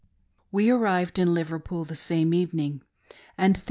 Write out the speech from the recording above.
We arrived in Liverpool the same evening, and there.